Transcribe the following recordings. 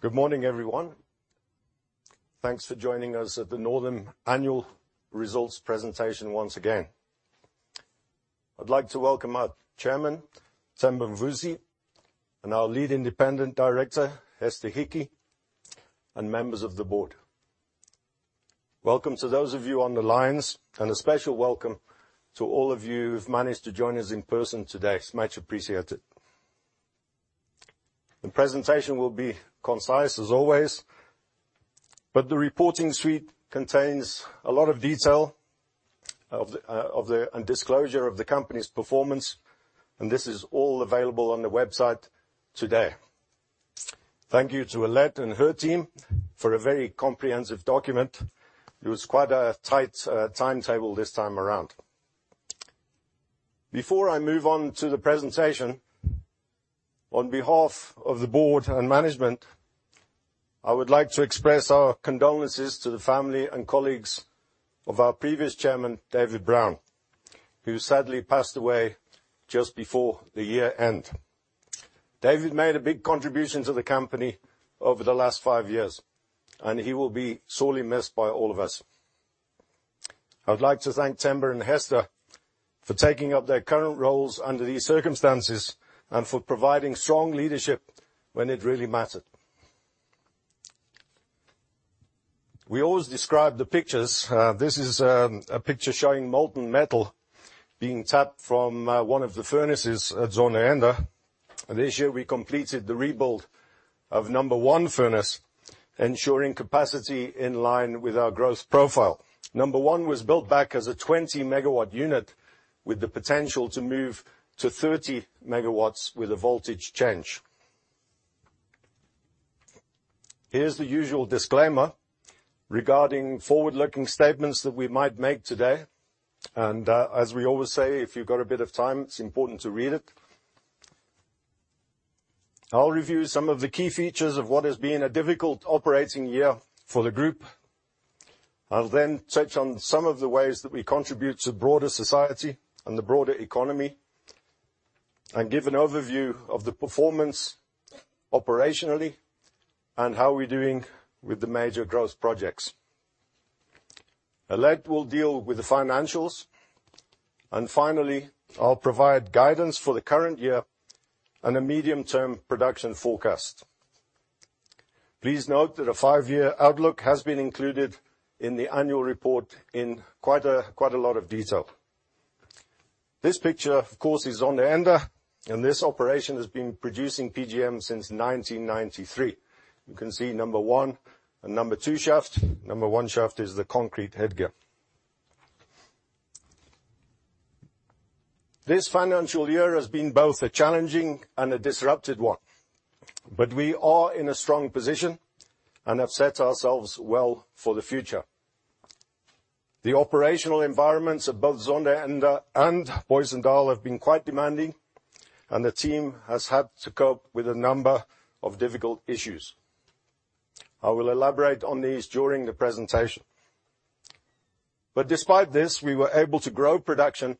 Good morning, everyone. Thanks for joining us at the Northam Annual Results Presentation once again. I'd like to welcome our Chairman, Temba Mvusi, and our Lead Independent Director, Hester Hickey, and members of the board. Welcome to those of you on the lines, and a special welcome to all of you who've managed to join us in person today. It's much appreciated. The presentation will be concise as always, but the reporting suite contains a lot of detail and disclosure of the company's performance, and this is all available on the website today. Thank you to Alet and her team for a very comprehensive document. It was quite a tight timetable this time around. Before I move on to the presentation, on behalf of the board and management, I would like to express our condolences to the family and colleagues of our previous chairman, David Brown, who sadly passed away just before the year end. David made a big contribution to the company over the last five years, and he will be sorely missed by all of us. I would like to thank Temba and Hester for taking up their current roles under these circumstances and for providing strong leadership when it really mattered. We always describe the pictures. This is a picture showing molten metal being tapped from one of the furnaces at Zondereinde. This year, we completed the rebuild of number one furnace, ensuring capacity in line with our growth profile. Number one was built back as a 20 MW unit with the potential to move to 30 MW with a voltage change. Here's the usual disclaimer regarding forward-looking statements that we might make today and, as we always say, if you've got a bit of time, it's important to read it. I'll review some of the key features of what has been a difficult operating year for the group. I'll then touch on some of the ways that we contribute to broader society and the broader economy and give an overview of the performance operationally and how we're doing with the major growth projects. Alet will deal with the financials, and finally, I'll provide guidance for the current year and a medium-term production forecast. Please note that a five-year outlook has been included in the annual report in quite a lot of detail. This picture, of course, is Zondereinde, and this operation has been producing PGM since 1993. You can see number one and number two shaft. Number one shaft is the concrete headgear. This financial year has been both a challenging and a disrupted one, but we are in a strong position and have set ourselves well for the future. The operational environments of both Zondereinde and Booysendal have been quite demanding, and the team has had to cope with a number of difficult issues. I will elaborate on these during the presentation. Despite this, we were able to grow production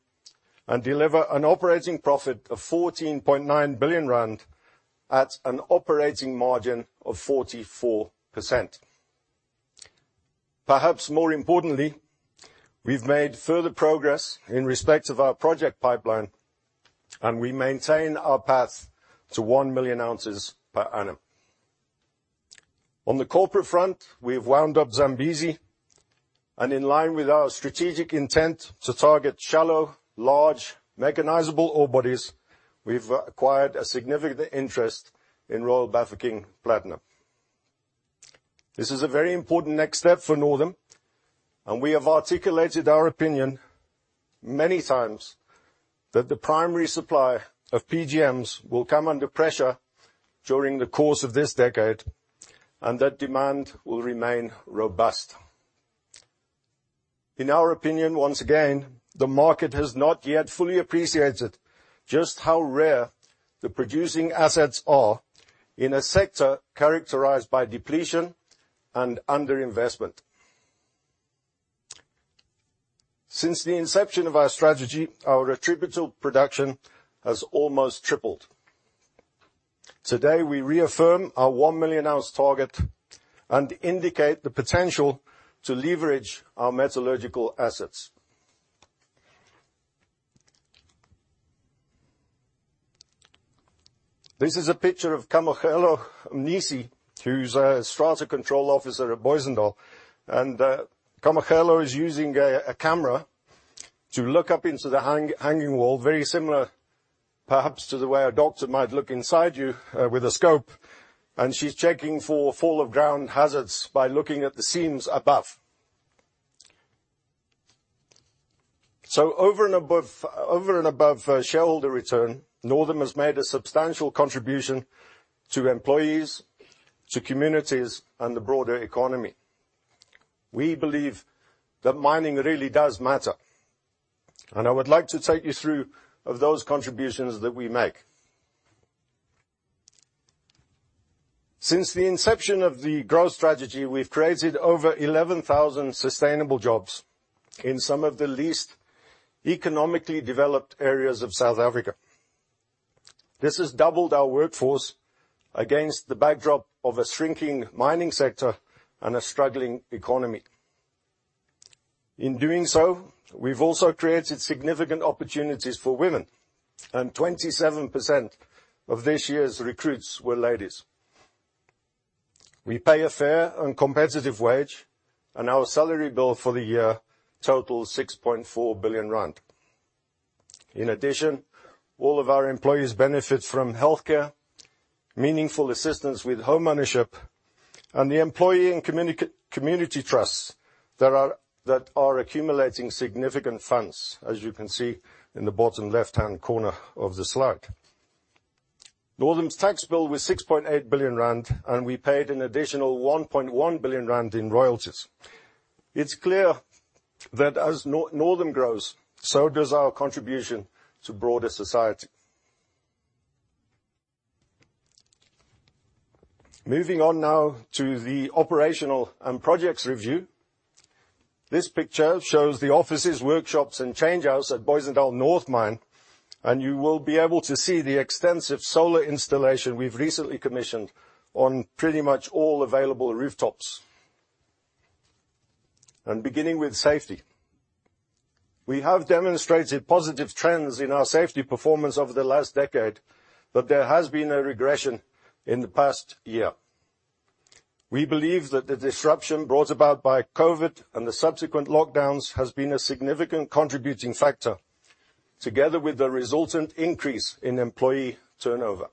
and deliver an operating profit of 14.9 billion rand at an operating margin of 44%. Perhaps more importantly, we've made further progress in respect of our project pipeline, and we maintain our path to 1 million oz per annum. On the corporate front, we've wound up Zambezi, and in line with our strategic intent to target shallow, large, mechanizable ore bodies, we've acquired a significant interest in Royal Bafokeng Platinum. This is a very important next step for Northam, and we have articulated our opinion many times that the primary supply of PGMs will come under pressure during the course of this decade, and that demand will remain robust. In our opinion, once again, the market has not yet fully appreciated just how rare the producing assets are in a sector characterized by depletion and underinvestment. Since the inception of our strategy, our attributable production has almost tripled. Today, we reaffirm our 1 million oz target and indicate the potential to leverage our metallurgical assets. This is a picture of Kamogelo Mnisi, who's a strata control officer at Booysendal, and Kamogelo is using a camera to look up into the hanging wall, very similar perhaps to the way a doctor might look inside you with a scope, and she's checking for fall of ground hazards by looking at the seams above. Over and above shareholder return, Northam has made a substantial contribution to employees, to communities, and the broader economy. We believe that mining really does matter, and I would like to take you through some of those contributions that we make. Since the inception of the growth strategy, we've created over 11,000 sustainable jobs in some of the least economically developed areas of South Africa. This has doubled our workforce against the backdrop of a shrinking mining sector and a struggling economy. In doing so, we've also created significant opportunities for women, and 27% of this year's recruits were ladies. We pay a fair and competitive wage, and our salary bill for the year totals 6.4 billion rand. In addition, all of our employees benefit from healthcare, meaningful assistance with home ownership, and the employee and community trusts that are accumulating significant funds, as you can see in the bottom left-hand corner of the slide. Northam's tax bill was 6.8 billion rand, and we paid an additional 1.1 billion rand in royalties. It's clear that as Northam grows, so does our contribution to broader society. Moving on now to the operational and projects review. This picture shows the offices, workshops, and change houses at Booysendal North mine, and you will be able to see the extensive solar installation we've recently commissioned on pretty much all available rooftops. Beginning with safety. We have demonstrated positive trends in our safety performance over the last decade, but there has been a regression in the past year. We believe that the disruption brought about by COVID and the subsequent lockdowns has been a significant contributing factor, together with the resultant increase in employee turnover.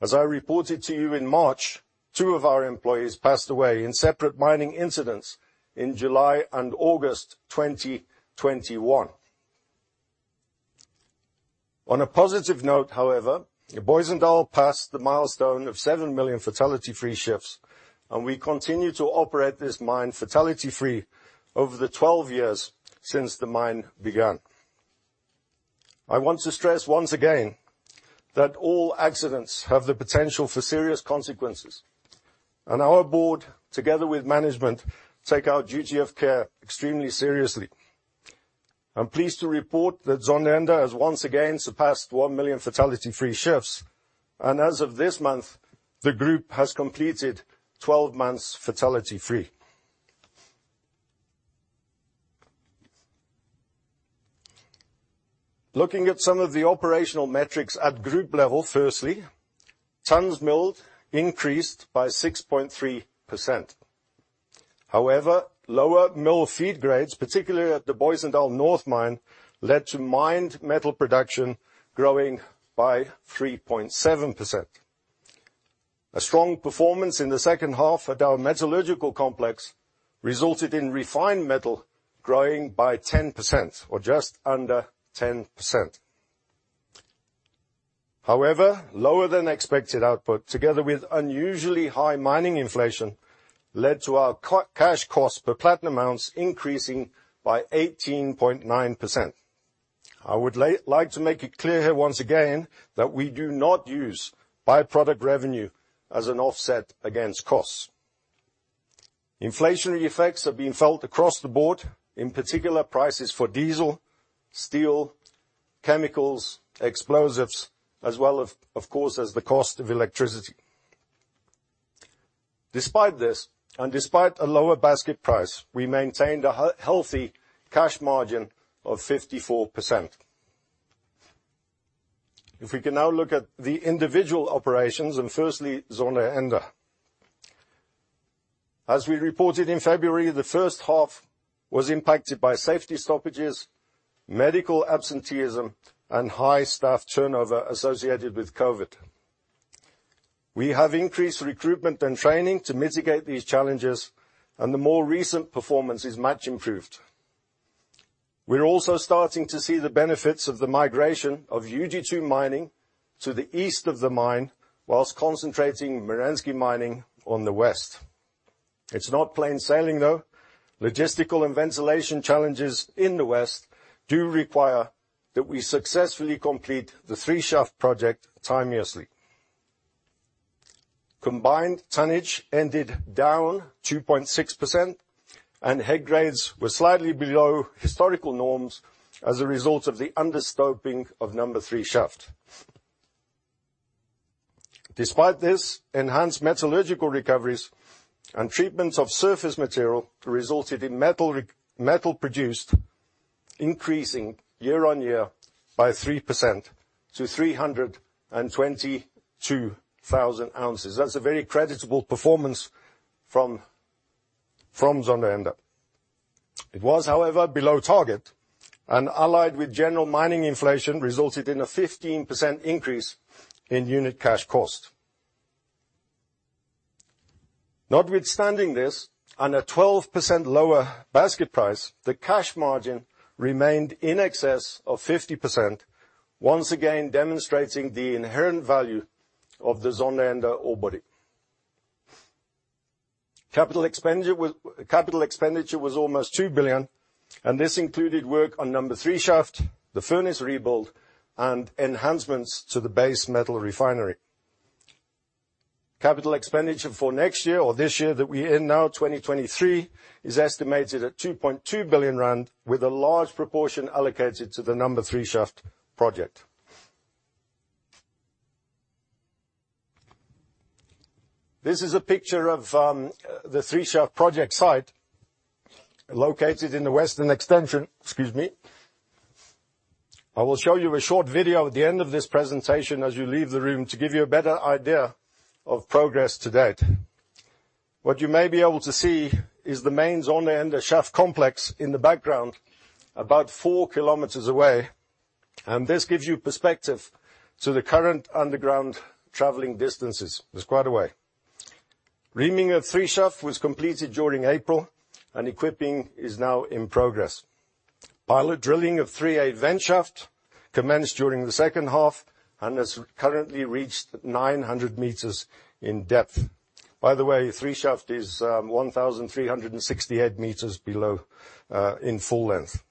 As I reported to you in March, two of our employees passed away in separate mining incidents in July and August 2021. On a positive note, however, Booysendal passed the milestone of 7 million fatality-free shifts, and we continue to operate this mine fatality-free over the 12 years since the mine began. I want to stress once again that all accidents have the potential for serious consequences, and our board, together with management, take our duty of care extremely seriously. I'm pleased to report that Zondereinde has once again surpassed 1 million fatality-free shifts, and as of this month, the group has completed 12 months fatality-free. Looking at some of the operational metrics at group level, firstly, tons milled increased by 6.3%. However, lower mill feed grades, particularly at the Booysendal North mine, led to mined metal production growing by 3.7%. A strong performance in the second half at our metallurgical complex resulted in refined metal growing by 10% or just under 10%. However, lower than expected output together with unusually high mining inflation led to our cash costs per platinum oz increasing by 18.9%. I would like to make it clear here once again that we do not use by-product revenue as an offset against costs. Inflationary effects have been felt across the board, in particular, prices for diesel, steel, chemicals, explosives, as well as, of course, as the cost of electricity. Despite this, and despite a lower basket price, we maintained a healthy cash margin of 54%. If we can now look at the individual operations, and firstly, Zondereinde. As we reported in February, the first half was impacted by safety stoppages, medical absenteeism, and high staff turnover associated with COVID. We have increased recruitment and training to mitigate these challenges, and the more recent performance is much improved. We're also starting to see the benefits of the migration of UG2 mining to the east of the mine while concentrating Merensky mining on the west. It's not plain sailing, though. Logistical and ventilation challenges in the west do require that we successfully complete the 3 shaft project timeously. Combined tonnage ended down 2.6% and head grades were slightly below historical norms as a result of the understoping of number 3 shaft. Despite this, enhanced metallurgical recoveries and treatments of surface material resulted in metal produced increasing year-on-year by 3% to 322,000 oz. That's a very creditable performance from Zondereinde. It was, however, below target and allied with general mining inflation resulted in a 15% increase in unit cash cost. Notwithstanding this and a 12% lower basket price, the cash margin remained in excess of 50%, once again demonstrating the inherent value of the Zondereinde ore body. Capital expenditure was almost 2 billion, and this included work on number 3 shaft, the furnace rebuild, and enhancements to the base metal refinery. Capital expenditure for next year or this year that we're in now, 2023, is estimated at 2.2 billion rand, with a large proportion allocated to the number 3 shaft project. This is a picture of the 3 shaft project site located in the western extension. Excuse me. I will show you a short video at the end of this presentation as you leave the room to give you a better idea of progress to date. What you may be able to see is the mains on the end, the shaft complex in the background about 4 km away, and this gives you perspective to the current underground traveling distances. It's quite a way. Reaming of 3 shaft was completed during April, and equipping is now in progress. Pilot drilling of 38 vent shaft commenced during the second half and has currently reached 900 meters in depth. By the way, 3 shaft is 1,368 m below in full length.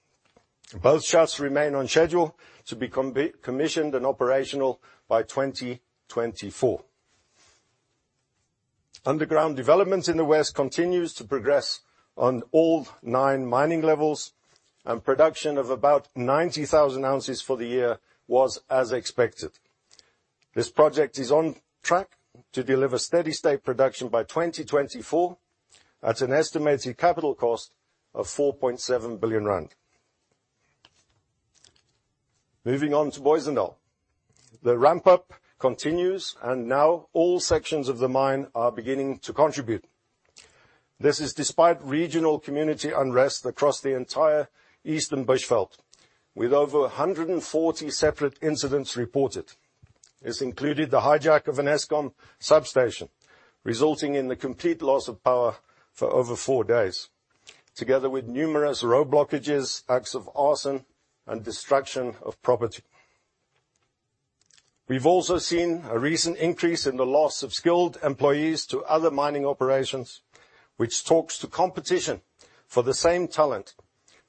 Both shafts remain on schedule to be commissioned and operational by 2024. Underground development in the west continues to progress on all nine mining levels, and production of about 90,000 oz for the year was as expected. This project is on track to deliver steady state production by 2024 at an estimated capital cost of 4.7 billion rand. Moving on to Booysendal. The ramp-up continues, and now all sections of the mine are beginning to contribute. This is despite regional community unrest across the entire Eastern Bushveld, with over 140 separate incidents reported. This included the hijack of an Eskom substation, resulting in the complete loss of power for over four days, together with numerous road blockages, acts of arson, and destruction of property. We've also seen a recent increase in the loss of skilled employees to other mining operations, which talks to competition for the same talent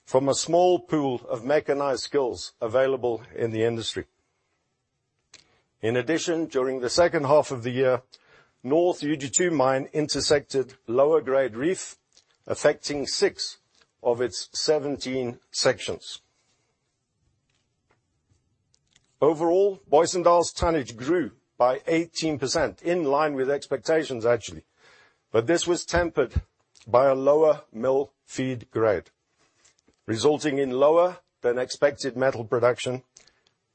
from a small pool of mechanized skills available in the industry. In addition, during the second half of the year, Northam's UG2 mine intersected lower grade reef, affecting six of its 17 sections. Overall, Booysendal's tonnage grew by 18%, in line with expectations actually, but this was tempered by a lower mill feed grade, resulting in lower than expected metal production,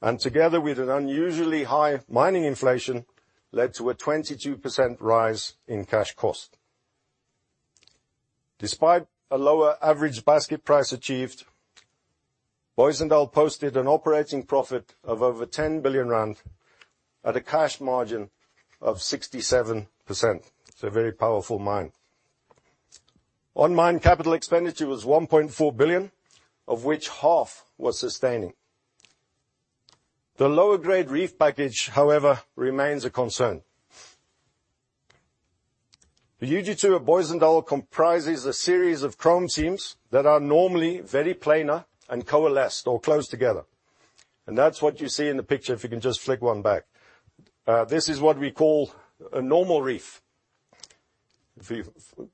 and together with an unusually high mining inflation, led to a 22% rise in cash cost. Despite a lower average basket price achieved, Booysendal posted an operating profit of over 10 billion rand at a cash margin of 67%. It's a very powerful mine. On mine capital expenditure was 1.4 billion, of which half was sustaining. The lower grade reef package, however, remains a concern. The UG2 at Booysendal comprises a series of chromitite seams that are normally very planar and coalesced or closed together, and that's what you see in the picture, if you can just flick one back. This is what we call a normal reef. If we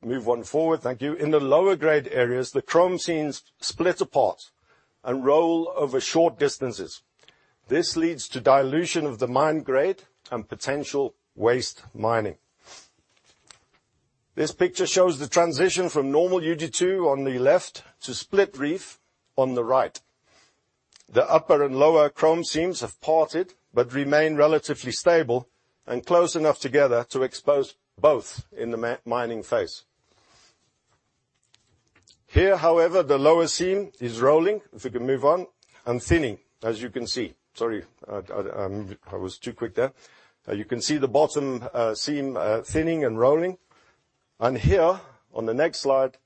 move one forward. Thank you. In the lower grade areas, the chromitite seams split apart and roll over short distances. This leads to dilution of the mine grade and potential waste mining. This picture shows the transition from normal UG2 on the left to split reef on the right. The upper and lower chromitite seams have parted but remain relatively stable and close enough together to expose both in the mining phase. Here, however, the lower seam is rolling, if we can move on, and thinning, as you can see. Sorry, I was too quick there. You can see the bottom seam thinning and rolling. Here, on the next slide,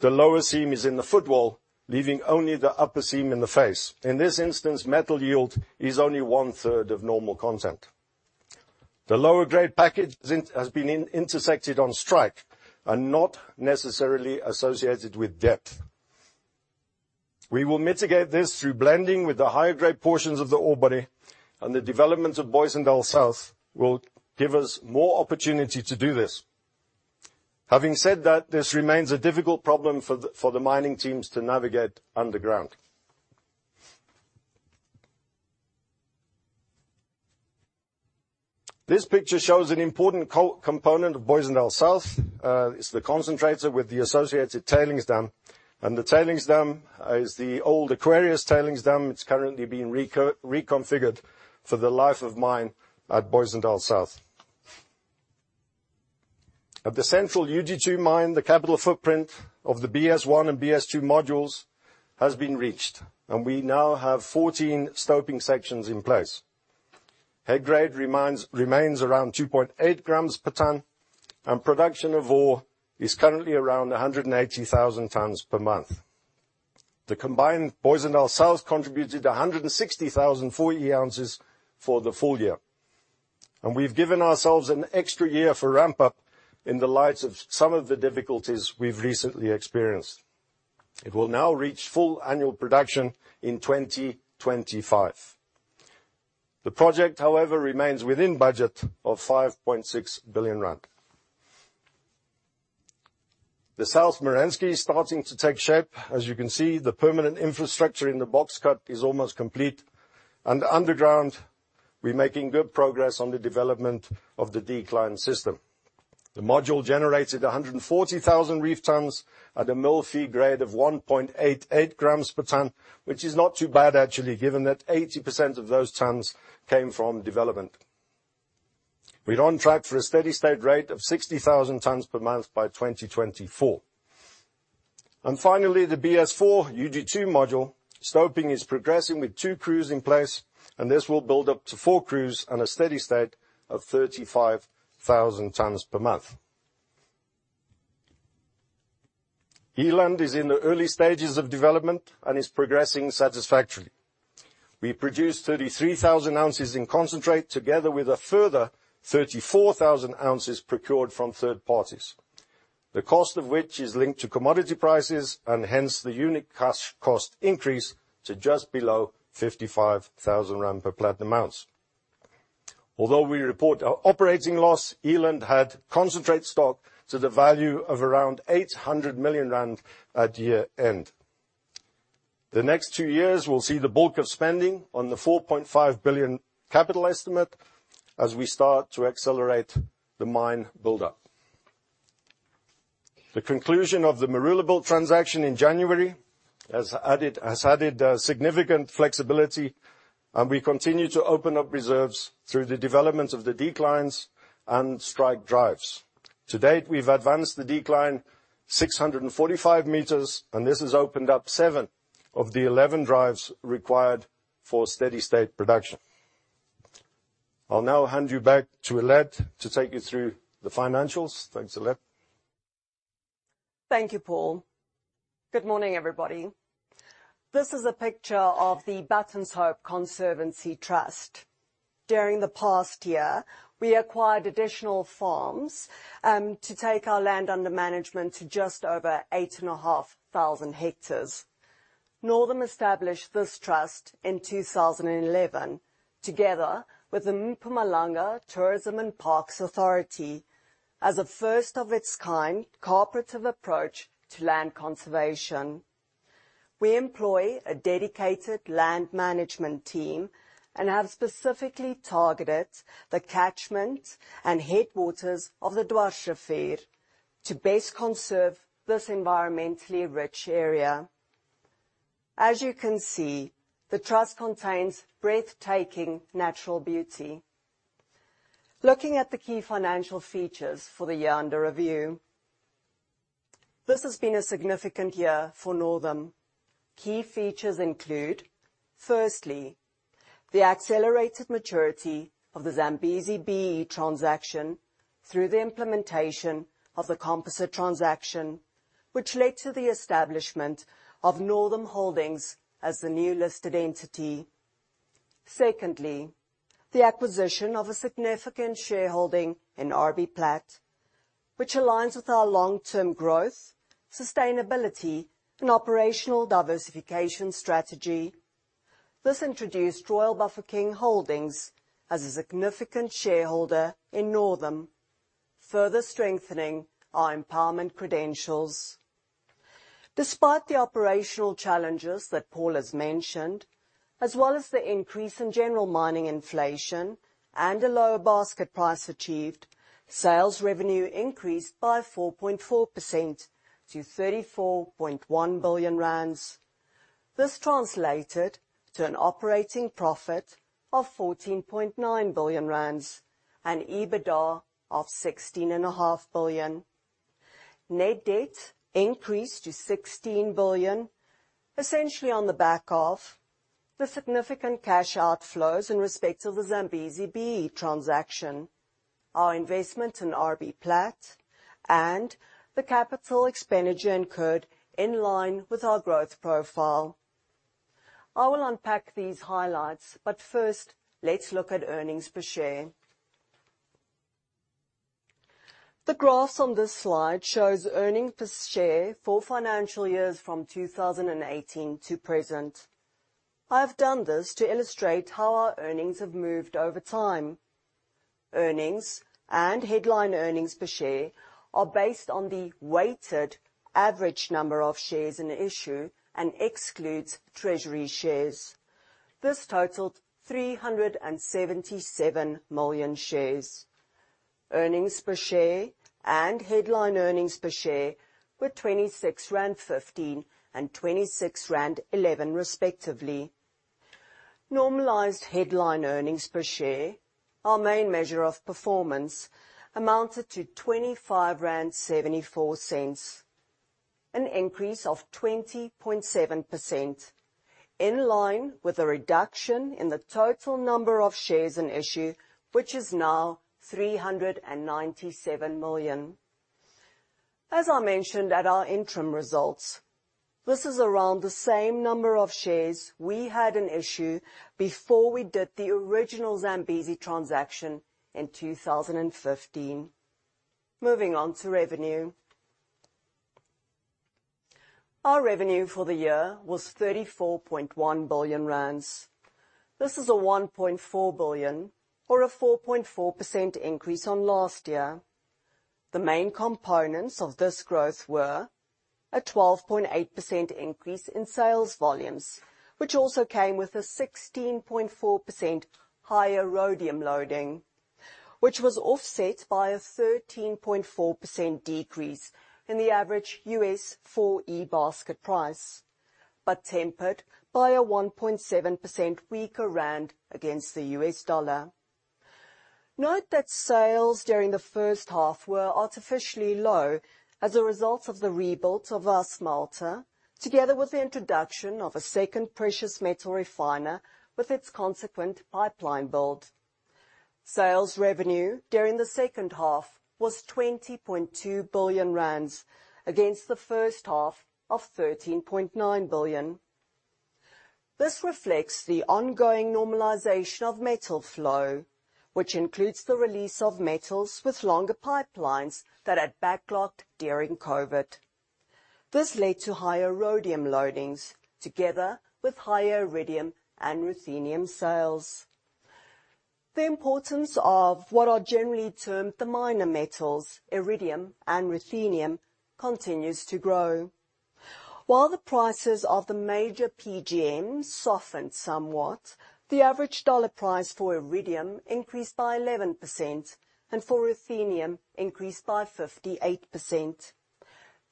the lower seam is in the footwall, leaving only the upper seam in the face. In this instance, metal yield is only 1/3 of normal content. The lower grade package has been intersected on strike and not necessarily associated with depth. We will mitigate this through blending with the higher grade portions of the ore body and the development of Booysendal South will give us more opportunity to do this. Having said that, this remains a difficult problem for the mining teams to navigate underground. This picture shows an important component of Booysendal South. It's the concentrator with the associated tailings dam, and the tailings dam is the old Aquarius tailings dam. It's currently being reconfigured for the life of mine at Booysendal South. At the central UG2 mine, the capital footprint of the BS1 and BS2 modules has been reached, and we now have 14 stoping sections in place. Head grade remains around 2.8 g per ton, and production of ore is currently around 180,000 tons per month. The combined Booysendal South contributed 160,000 full year oz for the full year, and we've given ourselves an extra year for ramp-up in the light of some of the difficulties we've recently experienced. It will now reach full annual production in 2025. The project, however, remains within budget of 5.6 billion rand. The South Merensky starting to take shape. As you can see, the permanent infrastructure in the box cut is almost complete, and underground, we're making good progress on the development of the decline system. The module generated 140,000 reef tons at a mill feed grade of 1.88 g per ton, which is not too bad actually, given that 80% of those tons came from development. We're on track for a steady-state rate of 60,000 tons per month by 2024. Finally, the BS4 UG2 module stoping is progressing with two crews in place, and this will build up to four crews on a steady state of 35,000 tons per month. Eland is in the early stages of development and is progressing satisfactorily. We produced 33,000 oz in concentrate, together with a further 34,000 oz procured from third parties, the cost of which is linked to commodity prices and hence the unique cash cost increase to just below 55,000 rand per platinum oz. Although we report our operating loss, Eland had concentrate stock to the value of around 800 million rand at year-end. The next two years will see the bulk of spending on the 4.5 billion capital estimate as we start to accelerate the mine buildup. The conclusion of the Maroelabult transaction in January has added significant flexibility and we continue to open up reserves through the development of the declines and strike drives. To date, we've advanced the decline 645 m, and this has opened up seven of the 11 drives required for steady state production. I'll now hand you back to Alet to take you through the financials. Thanks, Alet. Thank you, Paul. Good morning, everybody. This is a picture of the Buttonshope Conservancy Trust. During the past year, we acquired additional farms to take our land under management to just over 8,500 hectares. Northam established this trust in 2011, together with the Mpumalanga Tourism and Parks Agency as a first of its kind cooperative approach to land conservation. We employ a dedicated land management team and have specifically targeted the catchments and headquarters of the Dwarsrivier to best conserve this environmentally rich area. As you can see, the trust contains breathtaking natural beauty. Looking at the key financial features for the year under review, this has been a significant year for Northam. Key features include, firstly, the accelerated maturity of the Zambezi BEE transaction through the implementation of the composite transaction, which led to the establishment of Northam Holdings as the new listed entity. Secondly, the acquisition of a significant shareholding in RBPlat, which aligns with our long-term growth, sustainability and operational diversification strategy. This introduced Royal Bafokeng Holdings as a significant shareholder in Northam, further strengthening our empowerment credentials. Despite the operational challenges that Paul has mentioned, as well as the increase in general mining inflation and a lower basket price achieved, sales revenue increased by 4.4% to 34.1 billion rand. This translated to an operating profit of 14.9 billion rand and EBITDA of 16.5 billion. Net debt increased to 16 billion, essentially on the back of the significant cash outflows in respect of the Zambezi BEE transaction, our investment in RBPlat, and the capital expenditure incurred in line with our growth profile. I will unpack these highlights, but first, let's look at earnings per share. The graphs on this slide show earnings per share for financial years from 2018 to present. I have done this to illustrate how our earnings have moved over time. Earnings and headline earnings per share are based on the weighted average number of shares in issue and exclude treasury shares. This totaled 377 million shares. Earnings per share and headline earnings per share were 26.15 rand and 26.11 rand respectively. Normalized headline earnings per share, our main measure of performance, amounted to 25.74 rand, an increase of 20.7%, in line with a reduction in the total number of shares in issue, which is now 397 million. As I mentioned at our interim results, this is around the same number of shares we had in issue before we did the original Zambezi transaction in 2015. Moving on to revenue. Our revenue for the year was 34.1 billion rand. This is a 1.4 billion, or 4.4% increase on last year. The main components of this growth were a 12.8% increase in sales volumes, which also came with a 16.4% higher rhodium loading, which was offset by a 13.4% decrease in the average U.S. 4E basket price, but tempered by a 1.7% weaker rand against the U.S. dollar. Note that sales during the first half were artificially low as a result of the rebuild of our smelter, together with the introduction of a second precious metal refiner with its consequent pipeline build. Sales revenue during the second half was 20.2 billion rand against the first half of 13.9 billion. This reflects the ongoing normalization of metal flow, which includes the release of metals with longer pipelines that had backlogged during COVID. This led to higher rhodium loadings, together with higher iridium and ruthenium sales. The importance of what are generally termed the minor metals, iridium and ruthenium, continues to grow. While the prices of the major PGM softened somewhat, the average dollar price for iridium increased by 11% and for ruthenium increased by 58%.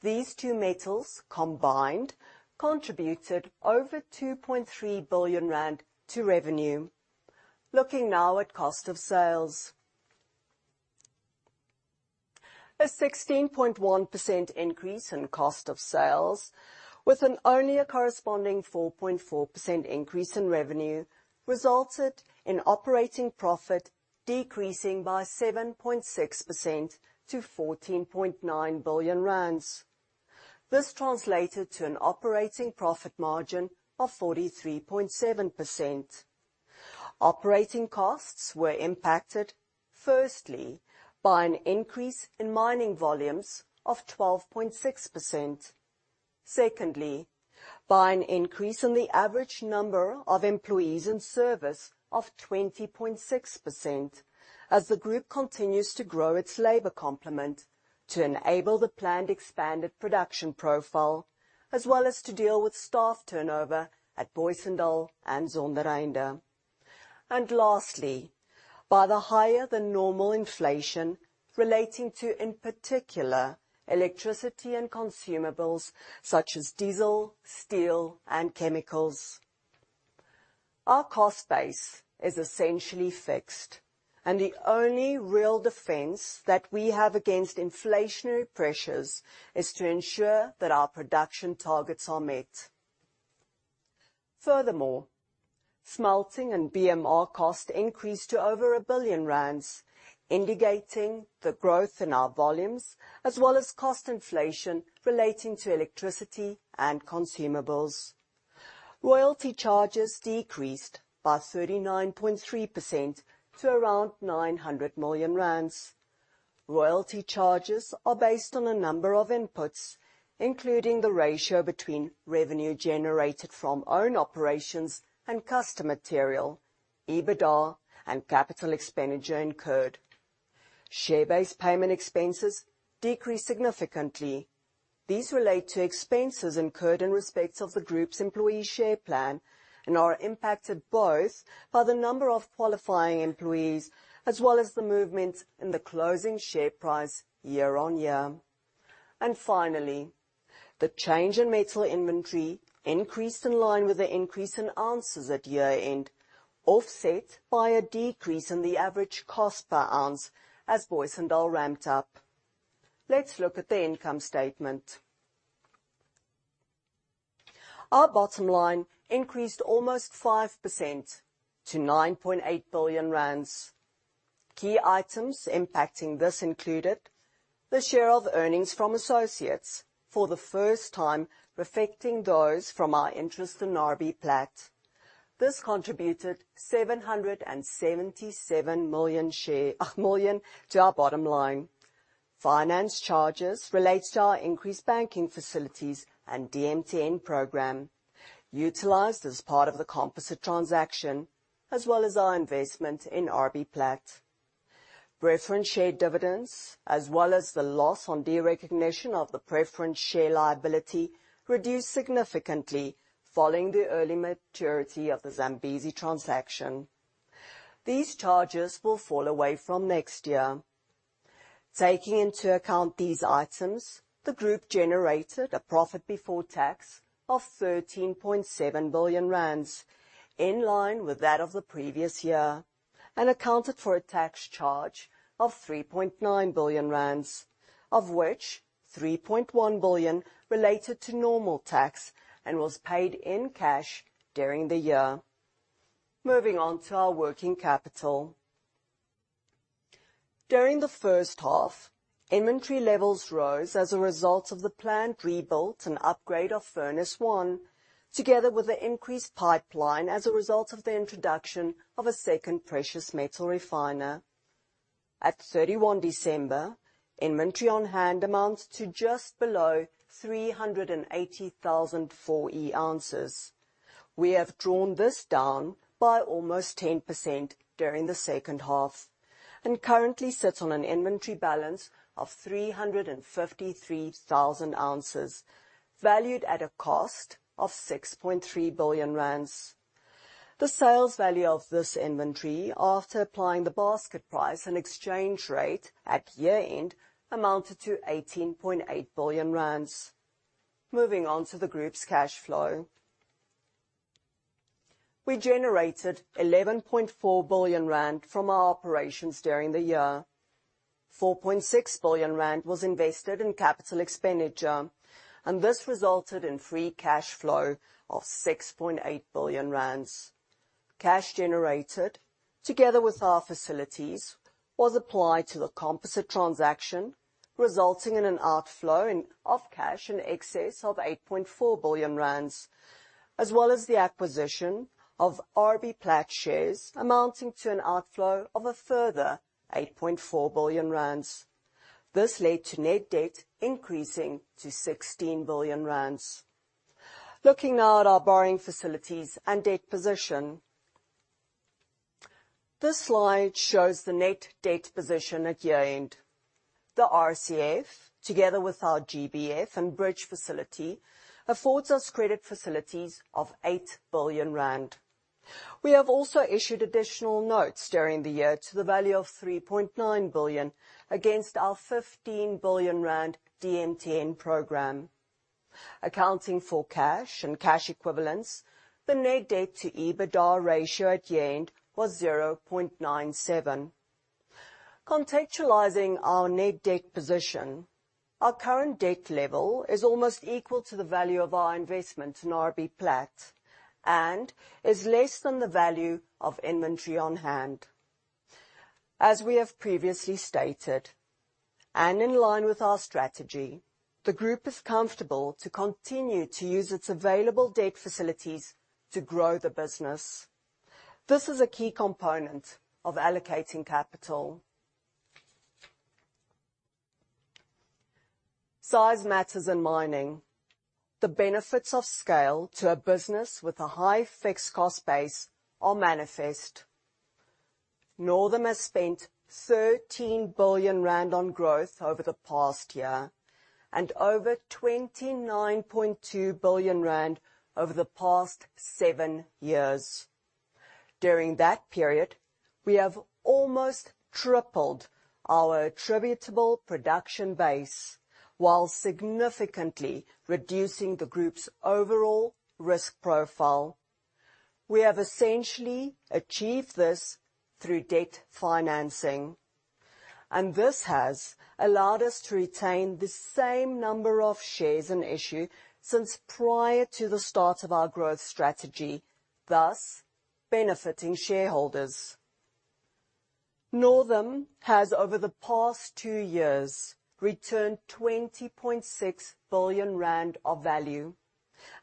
These two metals combined contributed over 2.3 billion rand to revenue. Looking now at cost of sales. A 16.1% increase in cost of sales with only a corresponding 4.4% increase in revenue resulted in operating profit decreasing by 7.6% to 14.9 billion rand. This translated to an operating profit margin of 43.7%. Operating costs were impacted, firstly, by an increase in mining volumes of 12.6%. Secondly, by an increase in the average number of employees in service of 20.6% as the group continues to grow its labor complement to enable the planned expanded production profile, as well as to deal with staff turnover at Booysendal and Zondereinde. Lastly, by the higher than normal inflation relating to, in particular, electricity and consumables such as diesel, steel, and chemicals. Our cost base is essentially fixed, and the only real defense that we have against inflationary pressures is to ensure that our production targets are met. Furthermore, smelting and BMR cost increased to over 1 billion rand, indicating the growth in our volumes as well as cost inflation relating to electricity and consumables. Royalty charges decreased by 39.3% to around 900 million rand. Royalty charges are based on a number of inputs, including the ratio between revenue generated from own operations and custom material, EBITDA and capital expenditure incurred. Share-based payment expenses decreased significantly. These relate to expenses incurred in respect of the group's employee share plan and are impacted both by the number of qualifying employees as well as the movement in the closing share price year on year. Finally, the change in metal inventory increased in line with the increase in oz at year-end, offset by a decrease in the average cost per oz as Booysendal ramped up. Let's look at the income statement. Our bottom line increased almost 5% to 9.8 billion rand. Key items impacting this included the share of earnings from associates for the first time reflecting those from our interest in RBPlat. This contributed 777 million to our bottom line. Finance charges relate to our increased banking facilities and DMTN program utilized as part of the composite transaction, as well as our investment in RBPlat. Preference share dividends, as well as the loss on derecognition of the preference share liability, reduced significantly following the early maturity of the Zambezi transaction. These charges will fall away from next year. Taking into account these items, the group generated a profit before tax of 13.7 billion rand, in line with that of the previous year, and accounted for a tax charge of 3.9 billion rand, of which 3.1 billion related to normal tax and was paid in cash during the year. Moving on to our working capital. During the first half, inventory levels rose as a result of the planned rebuild and upgrade of furnace 1, together with the increased pipeline as a result of the introduction of a second precious metal refiner. At 31 December, inventory on hand amounts to just below 380,000 4E oz. We have drawn this down by almost 10% during the second half, and currently sits on an inventory balance of 353,000 oz, valued at a cost of 6.3 billion rand. The sales value of this inventory, after applying the basket price and exchange rate at year-end, amounted to 18.8 billion rand. Moving on to the group's cash flow. We generated 11.4 billion rand from our operations during the year. 4.6 billion rand was invested in capital expenditure, and this resulted in free cash flow of 6.8 billion rand. Cash generated, together with our facilities, was applied to the composite transaction, resulting in an outflow of cash in excess of 8.4 billion rand, as well as the acquisition of RBPlat shares amounting to an outflow of a further 8.4 billion rand. This led to net debt increasing to 16 billion rand. Looking now at our borrowing facilities and debt position. This slide shows the net debt position at year-end. The RCF, together with our GBF and bridge facility, affords us credit facilities of 8 billion rand. We have also issued additional notes during the year to the value of 3.9 billion against our 15 billion rand DMTN program. Accounting for cash and cash equivalence, the net debt to EBITDA ratio at year-end was 0.97. Contextualizing our net debt position, our current debt level is almost equal to the value of our investment in RBPlat, and is less than the value of inventory on hand. As we have previously stated, and in line with our strategy, the group is comfortable to continue to use its available debt facilities to grow the business. This is a key component of allocating capital. Size matters in mining. The benefits of scale to a business with a high fixed cost base are manifest. Northam has spent 13 billion rand on growth over the past year, and over 29.2 billion rand over the past seven years. During that period, we have almost tripled our attributable production base while significantly reducing the group's overall risk profile. We have essentially achieved this through debt financing, and this has allowed us to retain the same number of shares in issue since prior to the start of our growth strategy, thus benefiting shareholders. Northam has, over the past two years, returned 20.6 billion rand of value,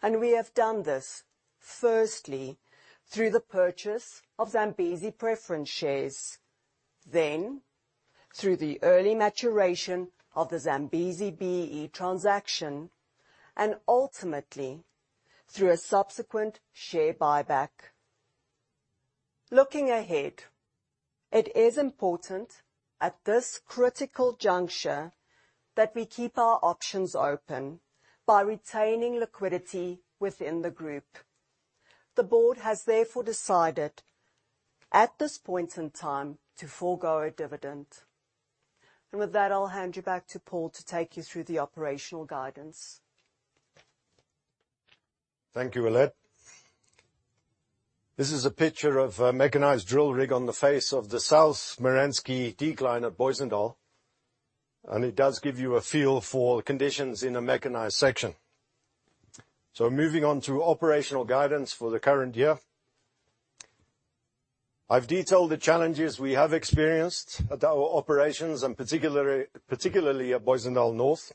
and we have done this firstly through the purchase of Zambezi preference shares, then through the early maturation of the Zambezi BEE transaction, and ultimately through a subsequent share buyback. Looking ahead, it is important at this critical juncture that we keep our options open by retaining liquidity within the group. The board has therefore decided at this point in time to forgo a dividend. With that, I'll hand you back to Paul to take you through the operational guidance. Thank you, Alet. This is a picture of a mechanized drill rig on the face of the South Merensky decline at Booysendal, and it does give you a feel for conditions in a mechanized section. Moving on to operational guidance for the current year. I've detailed the challenges we have experienced at our operations and particularly at Booysendal North,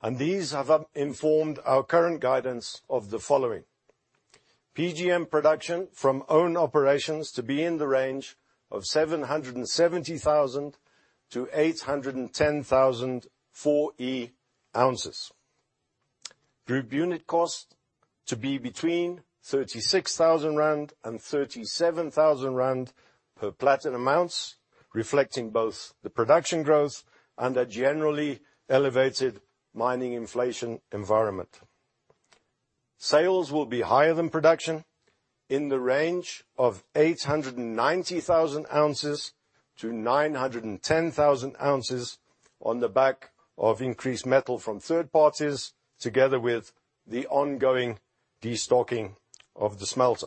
and these have informed our current guidance of the following. PGM production from own operations to be in the range of 770,000 to 810,000 4E oz. Group unit cost to be between 36,000 rand and 37,000 rand per platinum oz, reflecting both the production growth and a generally elevated mining inflation environment. Sales will be higher than production in the range of 890,000 oz-910,000 oz on the back of increased metal from third parties, together with the ongoing destocking of the smelter.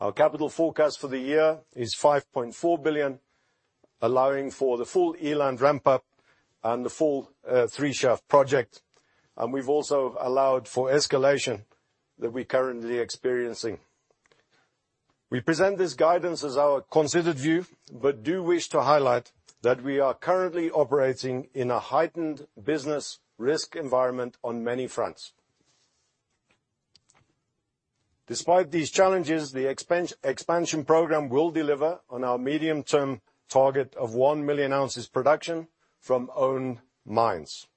Our capital forecast for the year is 5.4 billion, allowing for the full Eland ramp-up and the full 3 shaft project. We've also allowed for escalation that we're currently experiencing. We present this guidance as our considered view, but do wish to highlight that we are currently operating in a heightened business risk environment on many fronts. Despite these challenges, the expansion program will deliver on our medium term target of 1 million oz production from own mines.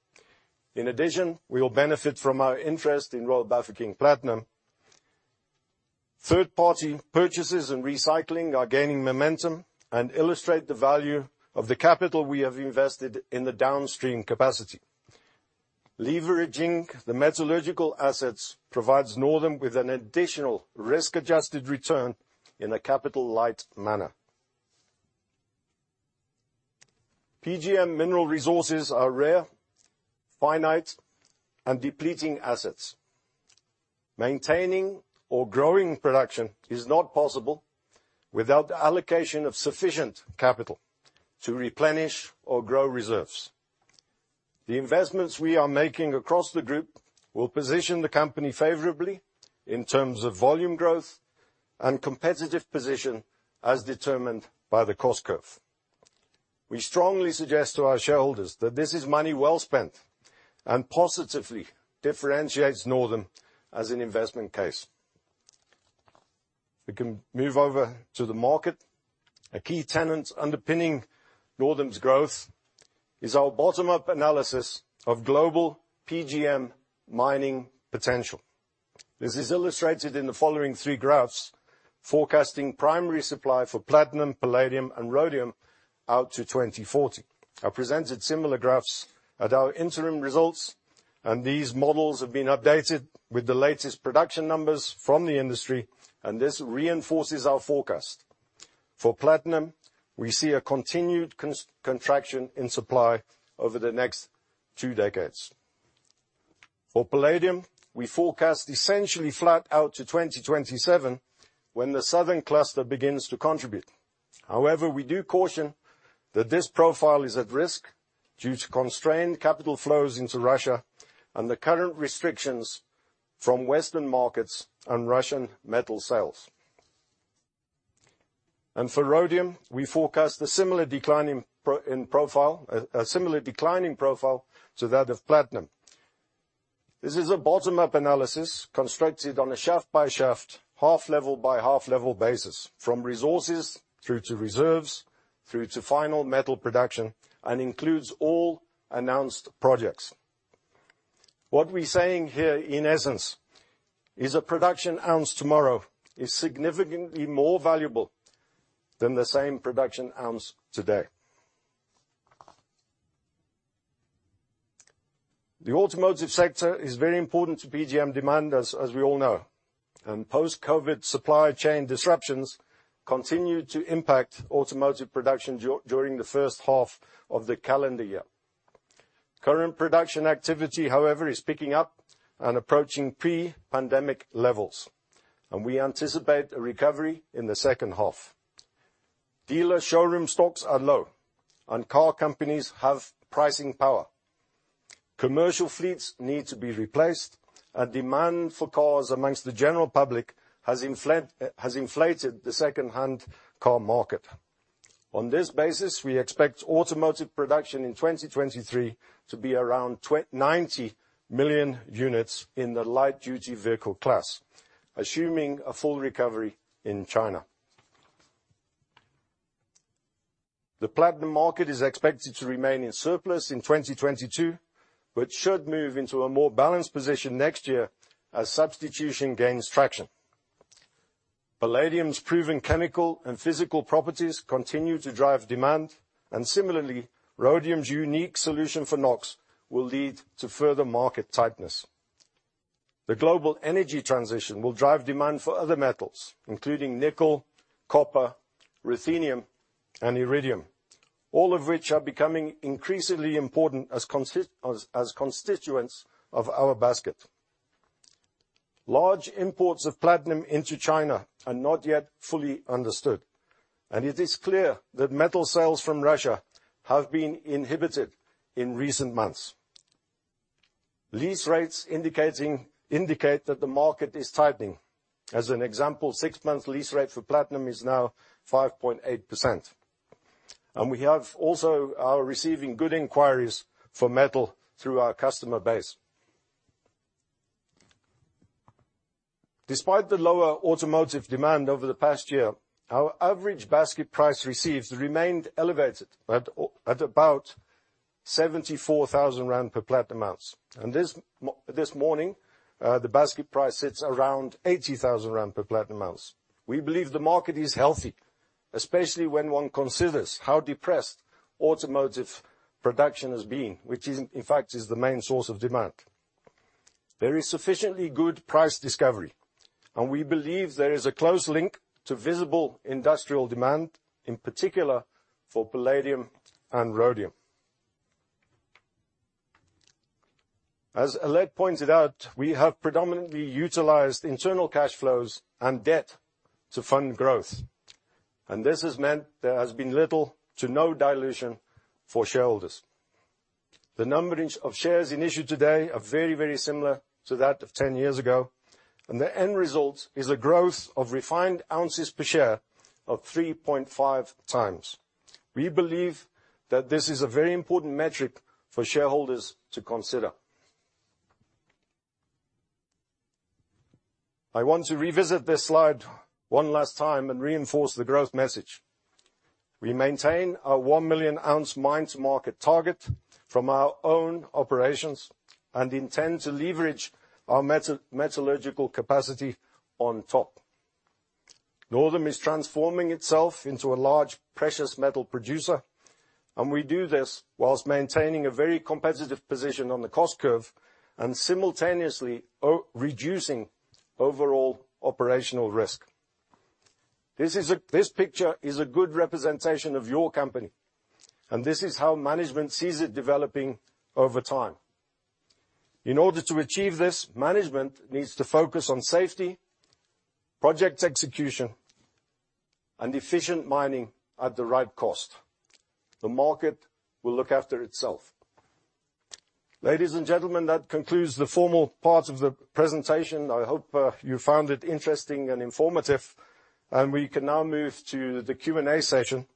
In addition, we will benefit from our interest in Royal Bafokeng Platinum. Third party purchases and recycling are gaining momentum and illustrate the value of the capital we have invested in the downstream capacity. Leveraging the metallurgical assets provides Northam with an additional risk-adjusted return in a capital light manner. PGM mineral resources are rare, finite, and depleting assets. Maintaining or growing production is not possible without the allocation of sufficient capital to replenish or grow reserves. The investments we are making across the group will position the company favorably in terms of volume growth and competitive position as determined by the cost curve. We strongly suggest to our shareholders that this is money well spent and positively differentiates Northam as an investment case. We can move over to the market. A key tenet underpinning Northam's growth is our bottom-up analysis of global PGM mining potential. This is illustrated in the following three graphs forecasting primary supply for platinum, palladium, and rhodium out to 2040. I presented similar graphs at our interim results, and these models have been updated with the latest production numbers from the industry, and this reinforces our forecast. For platinum, we see a continued contraction in supply over the next two decades. For palladium, we forecast essentially flat out to 2027 when the southern cluster begins to contribute. However, we do caution that this profile is at risk due to constrained capital flows into Russia and the current restrictions from Western markets on Russian metal sales. For rhodium, we forecast a similar decline in profile to that of platinum. This is a bottom up analysis constructed on a shaft by shaft, half level by half level basis from resources through to reserves through to final metal production, and includes all announced projects. What we're saying here in essence is a production oz tomorrow is significantly more valuable than the same production oz today. The automotive sector is very important to PGM demand, as we all know. Post-COVID supply chain disruptions continue to impact automotive production during the first half of the calendar year. Current production activity, however, is picking up and approaching pre-pandemic levels, and we anticipate a recovery in the second half. Dealer showroom stocks are low, and car companies have pricing power. Commercial fleets need to be replaced. A demand for cars amongst the general public has inflated the second hand car market. On this basis, we expect automotive production in 2023 to be around 90 million units in the light duty vehicle class, assuming a full recovery in China. The platinum market is expected to remain in surplus in 2022, but should move into a more balanced position next year as substitution gains traction. Palladium's proven chemical and physical properties continue to drive demand, and similarly, rhodium's unique solution for NOx will lead to further market tightness. The global energy transition will drive demand for other metals, including nickel, copper, ruthenium, and iridium, all of which are becoming increasingly important as constituents of our basket. Large imports of platinum into China are not yet fully understood, and it is clear that metal sales from Russia have been inhibited in recent months. Lease rates indicate that the market is tightening. As an example, six-month lease rate for platinum is now 5.8%. We are also receiving good inquiries for metal through our customer base. Despite the lower automotive demand over the past year, our average basket price received remained elevated at about 74,000 rand per platinum oz. This morning, the basket price sits around 80,000 rand per platinum oz. We believe the market is healthy, especially when one considers how depressed automotive production has been, which in fact is the main source of demand. There is sufficiently good price discovery, and we believe there is a close link to visible industrial demand, in particular for palladium and rhodium. As Alet pointed out, we have predominantly utilized internal cash flows and debt to fund growth, and this has meant there has been little to no dilution for shareholders. The number of shares in issue today are very, very similar to that of 10 years ago, and the end result is a growth of refined oz per share of 3.5x. We believe that this is a very important metric for shareholders to consider. I want to revisit this slide one last time and reinforce the growth message. We maintain our 1 million oz mine to market target from our own operations and intend to leverage our metallurgical capacity on top. Northam is transforming itself into a large precious metal producer, and we do this while maintaining a very competitive position on the cost curve and simultaneously reducing overall operational risk. This picture is a good representation of your company, and this is how management sees it developing over time. In order to achieve this, management needs to focus on safety, project execution, and efficient mining at the right cost. The market will look after itself. Ladies and gentlemen, that concludes the formal part of the presentation. I hope you found it interesting and informative. We can now move to the Q&A session.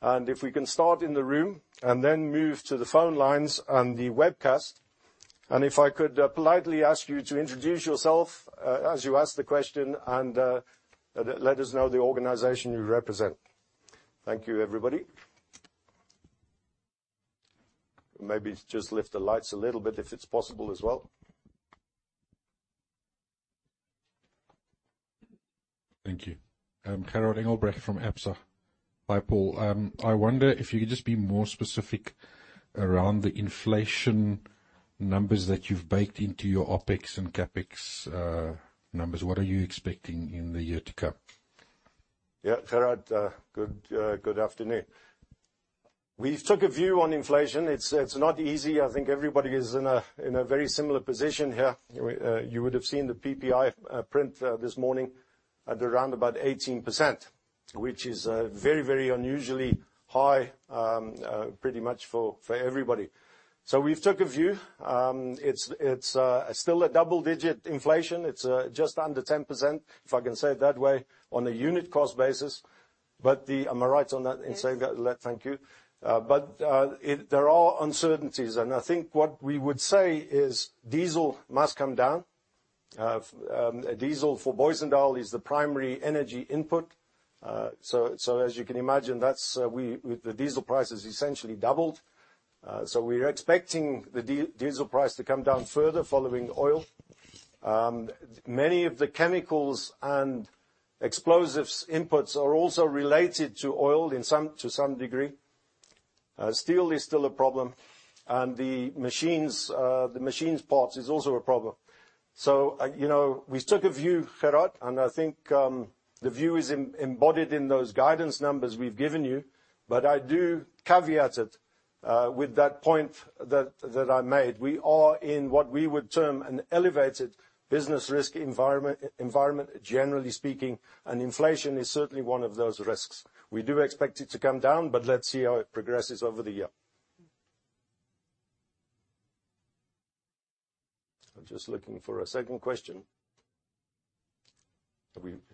If we can start in the room and then move to the phone lines and the webcast. If I could politely ask you to introduce yourself as you ask the question and let us know the organization you represent. Thank you, everybody. Maybe just lift the lights a little bit if it's possible as well. Thank you. Gerhard Engelbrecht from Absa. Hi, Paul. I wonder if you could just be more specific around the inflation numbers that you've baked into your OpEx and CapEx numbers. What are you expecting in the year to come? Yeah, Gerhard, good afternoon. We took a view on inflation. It's not easy. I think everybody is in a very similar position here. You would have seen the PPI print this morning at around 18%, which is very unusually high, pretty much for everybody. We've took a view. It's still a double-digit inflation. It's just under 10%, if I can say it that way, on a unit cost basis. Am I right on that in saying that, Alet? Yes. Thank you. There are uncertainties, and I think what we would say is diesel must come down. Diesel for Booysendal is the primary energy input. As you can imagine, that's with the diesel prices essentially doubled. We're expecting the diesel price to come down further following oil. Many of the chemicals and explosives inputs are also related to oil to some degree. Steel is still a problem, and the machines parts is also a problem. You know, we took a view, Gerhard, and I think the view is embodied in those guidance numbers we've given you. I do caveat it with that point that I made. We are in what we would term an elevated business risk environment, generally speaking, and inflation is certainly one of those risks. We do expect it to come down, but let's see how it progresses over the year. I'm just looking for a second question.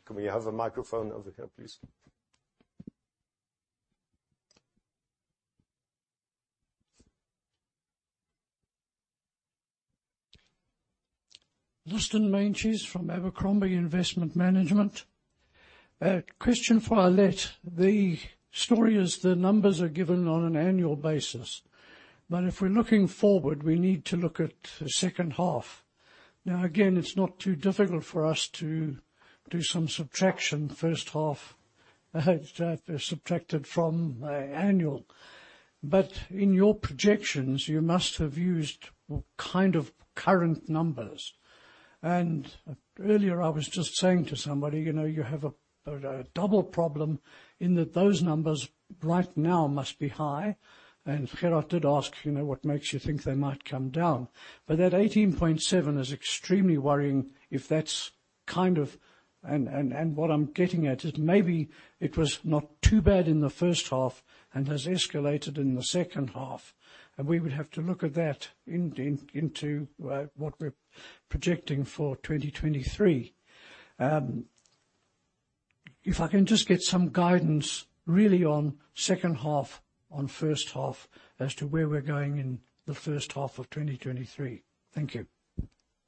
Can we have a microphone over here, please? Liston Meintjes from Abercrombie Investment Management. A question for Alet. The story is the numbers are given on an annual basis. If we're looking forward, we need to look at the second half. Now, again, it's not too difficult for us to do some subtraction first half subtracted from annual. In your projections, you must have used kind of current numbers. Earlier, I was just saying to somebody, you know, you have a double problem in that those numbers right now must be high. Gerhard did ask, you know, what makes you think they might come down. That 18.7 is extremely worrying if that's kind of. What I'm getting at is maybe it was not too bad in the first half and has escalated in the second half. We would have to look at that into what we're projecting for 2023. If I can just get some guidance really on second half, on first half as to where we're going in the first half of 2023. Thank you.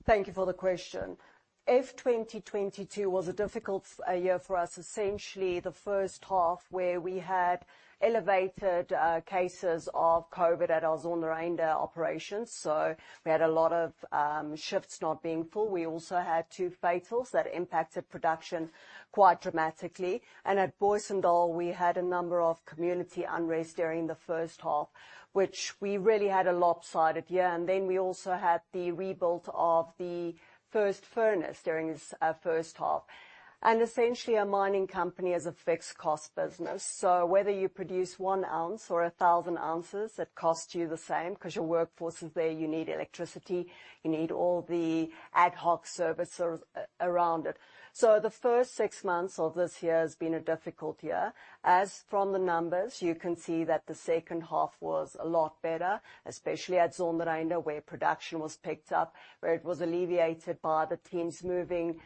Thank you for the question. FY 2022 was a difficult year for us, essentially the first half where we had elevated cases of COVID at our Zondereinde operations, so we had a lot of shifts not being full. We also had two fatalities that impacted production quite dramatically. At Booysendal, we had a number of community unrest during the first half, which we really had a lopsided year. Then we also had the rebuild of the first furnace during this first half. Essentially a mining company is a fixed cost business. Whether you produce one oz or 1,000 oz, it costs you the same because your workforce is there, you need electricity, you need all the ad hoc services around it. The first six months of this year has been a difficult year. As from the numbers, you can see that the second half was a lot better, especially at Zondereinde, where production was picked up, where it was alleviated by the teams moving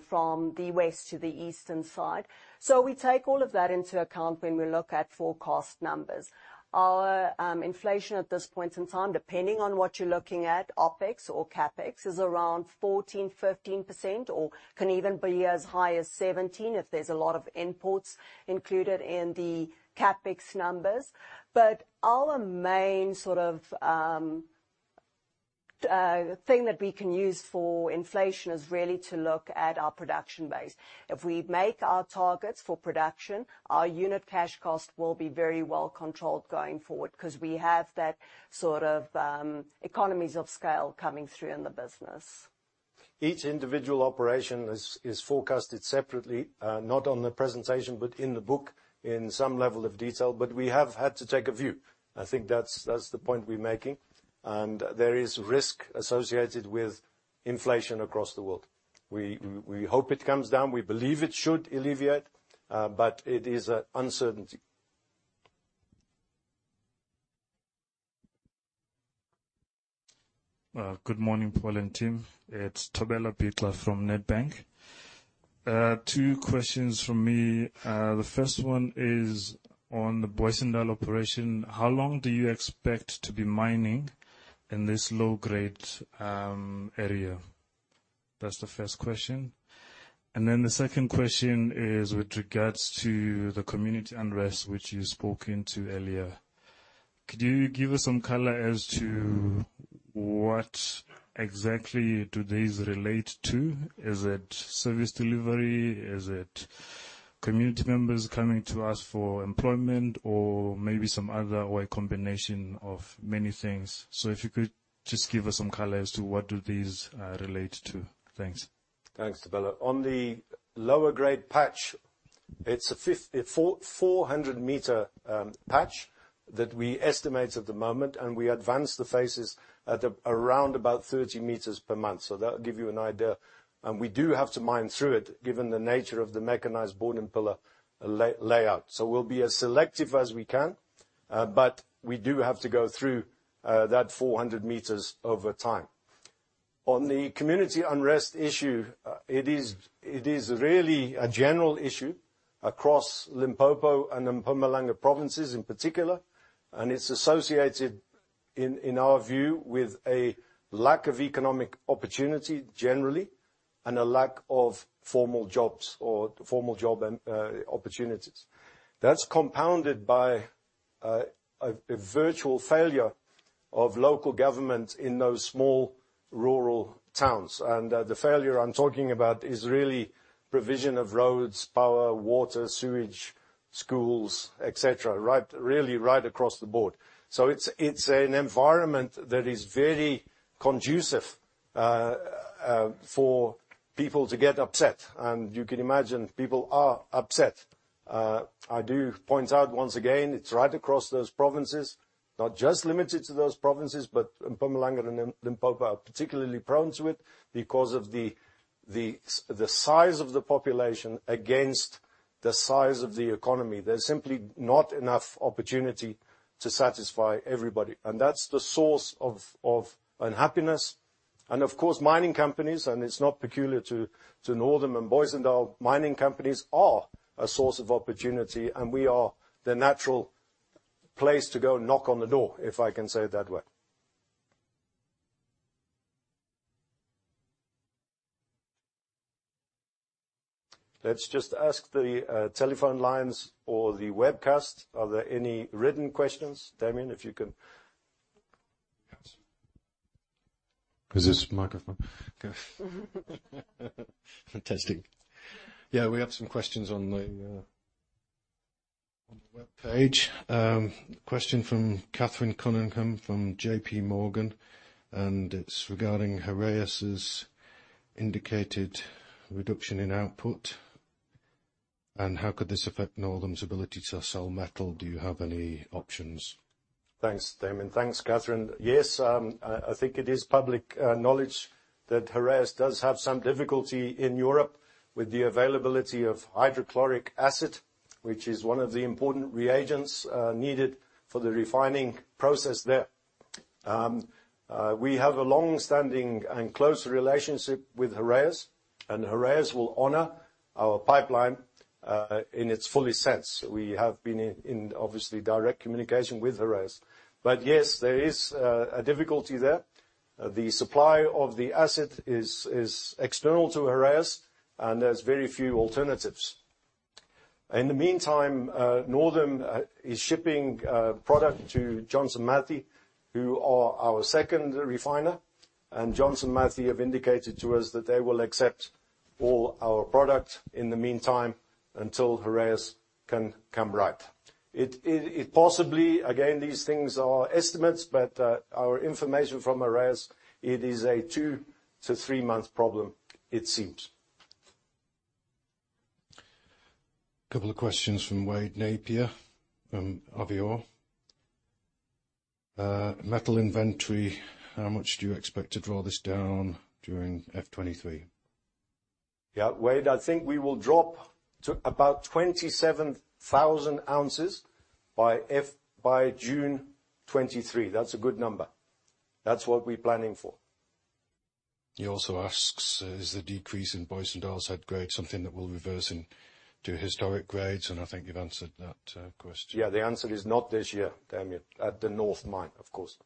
from the west to the eastern side. We take all of that into account when we look at forecast numbers. Our inflation at this point in time, depending on what you're looking at, OpEx or CapEx, is around 14%, 15% or can even be as high as 17% if there's a lot of imports included in the CapEx numbers. Our main sort of, the thing that we can use for inflation is really to look at our production base. If we make our targets for production, our unit cash cost will be very well controlled going forward, 'cause we have that sort of, economies of scale coming through in the business. Each individual operation is forecasted separately, not on the presentation, but in the book in some level of detail. We have had to take a view. I think that's the point we're making. There is risk associated with inflation across the world. We hope it comes down. We believe it should alleviate, but it is an uncertainty. Good morning, Paul and team. It's Thobela Bixa from Nedbank. Two questions from me. The first one is on the Booysendal operation, how long do you expect to be mining in this low-grade area? That's the first question. Then the second question is with regards to the community unrest which you've spoken to earlier. Could you give us some color as to what exactly do these relate to? Is it service delivery? Is it community members coming to us for employment or maybe some other, or a combination of many things? If you could just give us some color as to what do these relate to. Thanks. Thanks, Thobela. On the lower grade patch, it's a 400 m patch that we estimate at the moment, and we advance the phases at around about 30 m per month. That will give you an idea. We do have to mine through it given the nature of the mechanized bord and pillar layout. We'll be as selective as we can, but we do have to go through that 400 m over time. On the community unrest issue, it is really a general issue across Limpopo and Mpumalanga provinces in particular, and it's associated in our view with a lack of economic opportunity generally and a lack of formal jobs or formal job opportunities. That's compounded by a virtual failure of local government in those small rural towns. The failure I'm talking about is really provision of roads, power, water, sewage, schools, et cetera, right, really right across the board. It's an environment that is very conducive for people to get upset. You can imagine, people are upset. I do point out once again, it's right across those provinces. Not just limited to those provinces, but Mpumalanga and Limpopo are particularly prone to it because of the size of the population against the size of the economy. There's simply not enough opportunity to satisfy everybody, and that's the source of unhappiness. Of course, mining companies, and it's not peculiar to Northam and Booysendal mining companies, are a source of opportunity, and we are the natural place to go knock on the door, if I can say it that way. Let's just ask the telephone lines or the webcast, are there any written questions? Damian, if you can. Yeah, we have some questions on the webpage. Question from Catherine Cunningham from J.P. Morgan, and it's regarding Heraeus' indicated reduction in output and how could this affect Northam's ability to sell metal? Do you have any options? Thanks, Damian. Thanks, Catherine. Yes, I think it is public knowledge that Heraeus does have some difficulty in Europe with the availability of hydrochloric acid, which is one of the important reagents needed for the refining process there. We have a long-standing and close relationship with Heraeus, and Heraeus will honor our pipeline in its fullest sense. We have been in obviously direct communication with Heraeus. But yes, there is a difficulty there. The supply of the acid is external to Heraeus, and there's very few alternatives. In the meantime, Northam is shipping product to Johnson Matthey, who are our second refiner. Johnson Matthey have indicated to us that they will accept all our product in the meantime until Heraeus can come right. It possibly again, these things are estimates, but our information from Heraeus, it is a two to three-month problem it seems. Couple of questions from Wade Napier from Avior. Metal inventory, how much do you expect to draw this down during FY 2023? Yeah. Wade, I think we will drop to about 27,000 oz by June 2023. That's a good number. That's what we're planning for. He also asks, "Is the decrease in Booysendal's head grade something that will reverse into historic grades?" I think you've answered that question. Yeah. The answer is not this year, Damian. At the North mine, of course.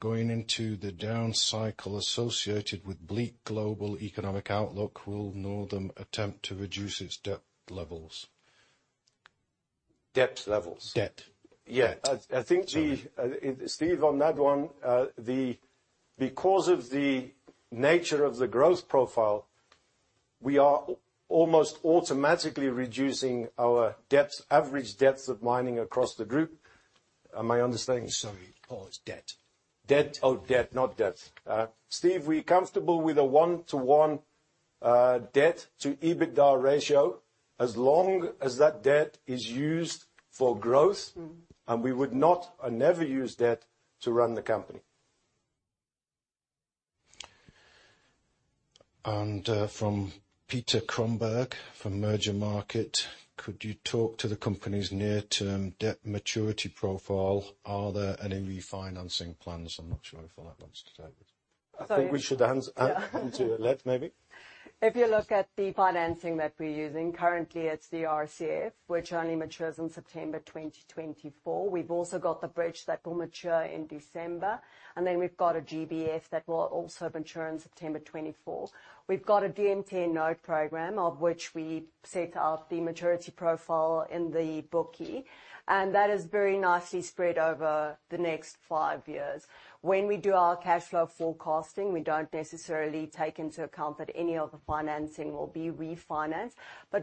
Going into the down cycle associated with bleak global economic outlook, will Northam attempt to reduce its debt levels? Depth levels? Debt. Yeah. Debt, sorry. I think Steve, on that one, because of the nature of the growth profile, we are almost automatically reducing our depth, average depth of mining across the group. Am I understanding? Sorry, Paul, it's debt. Debt. Oh, debt, not depth. Steve, we're comfortable with a 1:1 debt to EBITDA ratio as long as that debt is used for growth. Mm-hmm. We would not and never use debt to run the company. From Peter Cromberge from Mergermarket, could you talk to the company's near-term debt maturity profile? Are there any refinancing plans? I'm not sure if you wanna answer that. I think we should hand- Sorry Hand to Alet, maybe. If you look at the financing that we're using, currently it's the RCF, which only matures in September 2024. We've also got the bridge that will mature in December, and then we've got a GBF that will also mature in September 2024. We've got a DMTN note program of which we set out the maturity profile in the book, and that is very nicely spread over the next five years. When we do our cash flow forecasting, we don't necessarily take into account that any of the financing will be refinanced.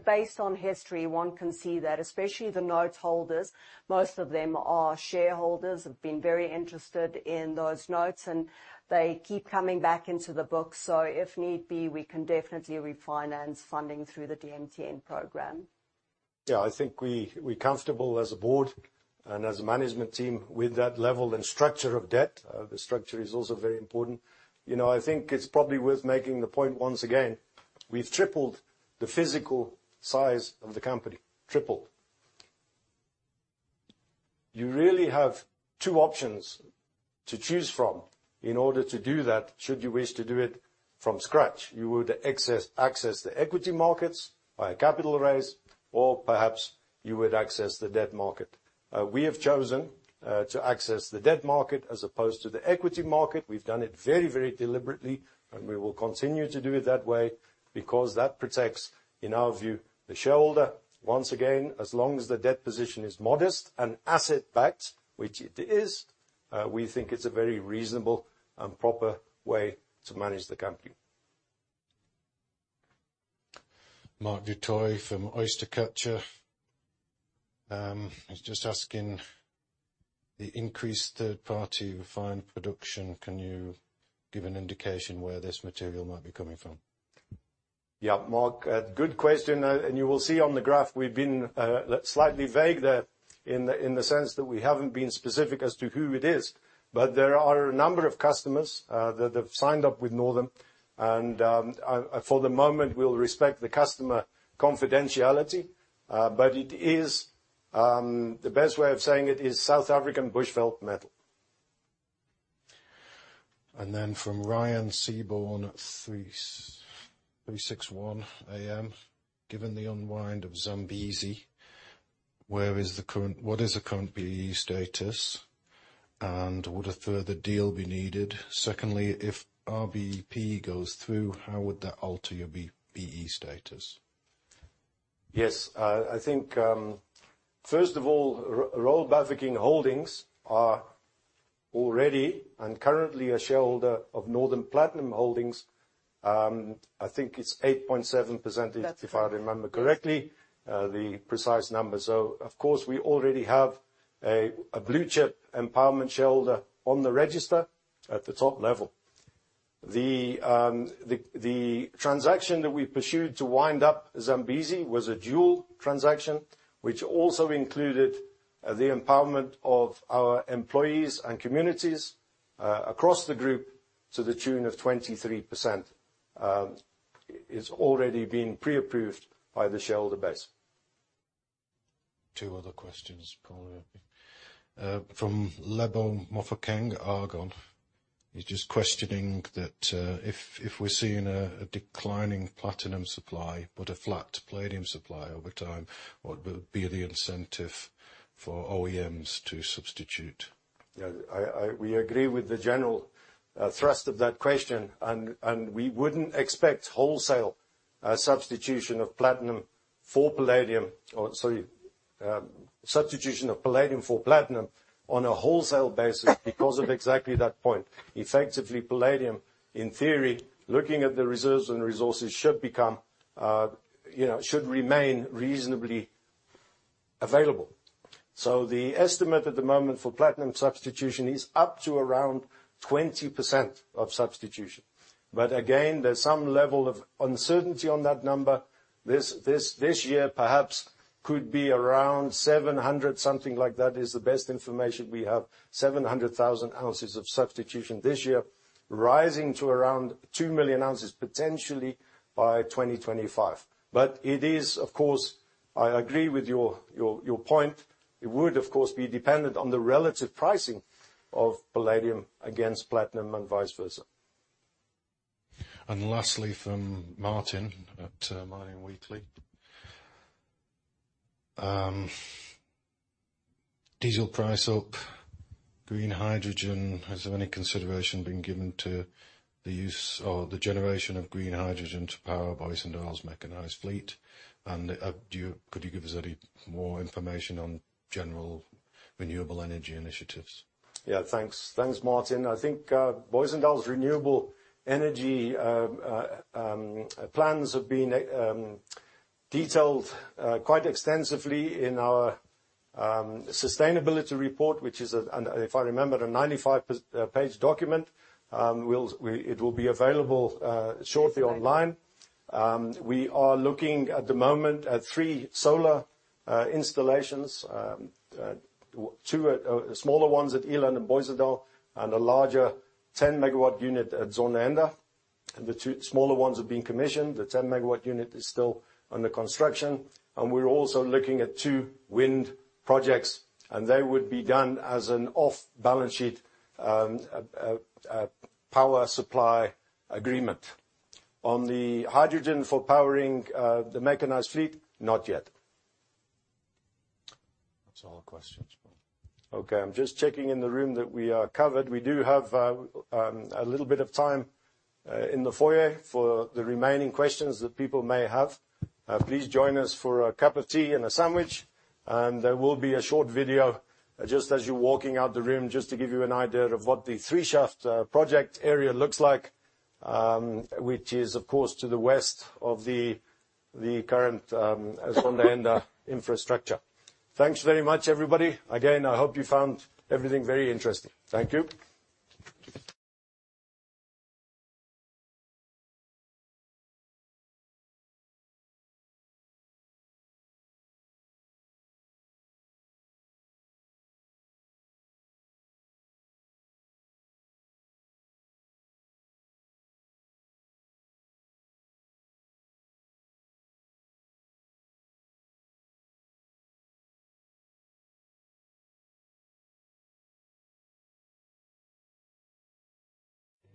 Based on history, one can see that, especially the note holders, most of them are shareholders, have been very interested in those notes, and they keep coming back into the book. If need be, we can definitely refinance funding through the DMTN program. Yeah, I think we're comfortable as a board and as a management team with that level and structure of debt. The structure is also very important. You know, I think it's probably worth making the point once again, we've tripled the physical size of the company. Tripled. You really have two options to choose from in order to do that should you wish to do it from scratch. You would access the equity markets by a capital raise, or perhaps you would access the debt market. We have chosen to access the debt market as opposed to the equity market. We've done it very, very deliberately, and we will continue to do it that way because that protects, in our view, the shareholder. Once again, as long as the debt position is modest and asset-backed, which it is, we think it's a very reasonable and proper way to manage the company. Mark du Toit from OysterCatcher is just asking, the increased third-party refined production, can you give an indication where this material might be coming from? Yeah, Mark, a good question. You will see on the graph we've been slightly vague there in the sense that we haven't been specific as to who it is. There are a number of customers that have signed up with Northam and for the moment, we'll respect the customer confidentiality. It is the best way of saying it is South African Bushveld metal. From Ryan Seaborne at 36ONE AM, given the unwind of Zambezi, what is the current BEE status, and would a further deal be needed? Secondly, if RBPlat goes through, how would that alter your BEE status? Yes. I think, first of all, Royal Bafokeng Holdings are already and currently a shareholder of Northam Platinum Holdings. I think it's 8.7%. That's right. ...if I remember correctly, the precise number. Of course, we already have a blue chip empowerment shareholder on the register at the top level. The transaction that we pursued to wind up Zambezi was a dual transaction, which also included the empowerment of our employees and communities across the group to the tune of 23%. It's already been pre-approved by the shareholder base. Two other questions, Paul. From Lebo Mofokeng, Argon. He's just questioning that if we're seeing a declining platinum supply but a flat palladium supply over time, what would be the incentive for OEMs to substitute? Yeah. We agree with the general thrust of that question and we wouldn't expect wholesale substitution of platinum for palladium or, sorry, substitution of palladium for platinum on a wholesale basis because of exactly that point. Effectively, palladium, in theory, looking at the reserves and resources, should become, you know, should remain reasonably available. The estimate at the moment for platinum substitution is up to around 20% of substitution. Again, there's some level of uncertainty on that number. This year, perhaps could be around 700, something like that is the best information we have, 700,000 oz of substitution this year, rising to around 2 million oz potentially by 2025. It is, of course, I agree with your point. It would of course be dependent on the relative pricing of palladium against platinum and vice versa. Lastly from Martin at Mining Weekly. Diesel price up, green hydrogen. Has there any consideration been given to the use or the generation of green hydrogen to power Booysendal's mechanized fleet? Could you give us any more information on general renewable energy initiatives? Yeah, thanks. Thanks, Martin. I think Booysendal's renewable energy plans have been detailed quite extensively in our sustainability report, which is, if I remember, a 95-page document. It will be available shortly online. We are looking at the moment at three solar installations. Two smaller ones at Eland and Booysendal, and a larger 10 MW unit at Zondereinde. The two smaller ones have been commissioned. The 10 MW unit is still under construction. We're also looking at two wind projects, and they would be done as an off-balance sheet power supply agreement. On the hydrogen for powering the mechanized fleet, not yet. That's all the questions. Okay. I'm just checking in the room that we are covered. We do have a little bit of time in the foyer for the remaining questions that people may have. Please join us for a cup of tea and a sandwich, and there will be a short video just as you're walking out the room, just to give you an idea of what the 3 shaft project area looks like, which is, of course, to the west of the current Zondereinde infrastructure. Thanks very much, everybody. Again, I hope you found everything very interesting. Thank you.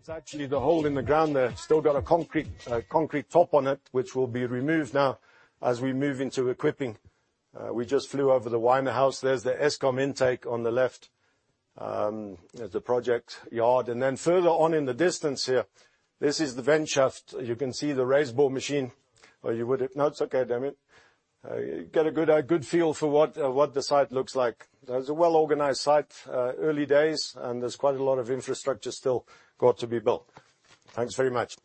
It's actually the hole in the ground there. Still got a concrete top on it, which will be removed now as we move into equipping. We just flew over the Winder House. There's the Eskom intake on the left, the project yard. Further on in the distance here, this is the vent shaft. You can see the raise bore machine. No, it's okay, Damian. You get a good feel for what the site looks like. It's a well-organized site. Early days, there's quite a lot of infrastructure still got to be built. Thanks very much.